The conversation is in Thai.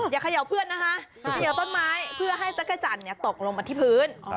อย่าเขย่าเพื่อนนะคะเขย่าต้นไม้เพื่อให้จักรจันทร์ตกลงมาที่พื้น